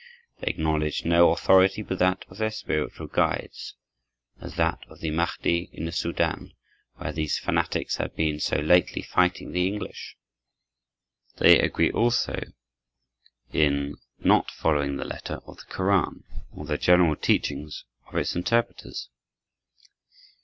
They acknowledge no authority but that of their spiritual guides, as that of the Mahdi in the Soudan, where these fanatics have been so lately fighting the English. They agree also in not following the letter of the Koran, or the general teachings of its interpreters.